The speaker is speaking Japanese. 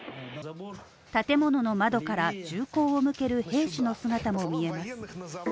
建物の窓から銃口を向ける兵士の姿も見えます。